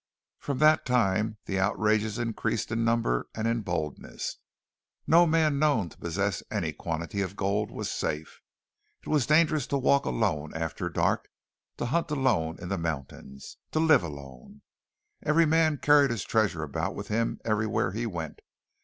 From that time the outrages increased in number and in boldness. No man known to be possessed of any quantity of gold was safe. It was dangerous to walk alone after dark, to hunt alone in the mountains, to live alone. Every man carried his treasure about with him everywhere he went.